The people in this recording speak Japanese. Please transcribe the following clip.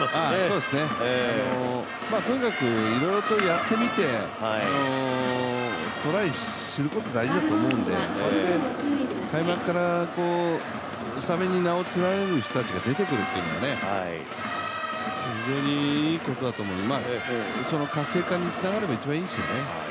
そうですね、とにかくいろいろとやってみてトライすること、大事だと思うんで開幕からスタメンに名を連ねる選手が出てくるというのは非常にいいことだと、活性化につながるのが一番いいですよね。